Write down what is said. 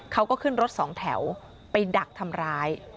เขาก็ขึ้นรถสองแถวไปดักทำร้าย